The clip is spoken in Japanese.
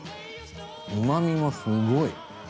うまみもすごい。